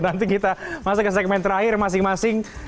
nanti kita masuk ke segmen terakhir masing masing